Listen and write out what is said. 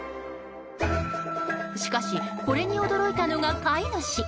しかし、これに驚いたのが飼い主。